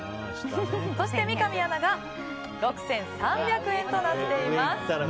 そして三上アナが６３００円となっています。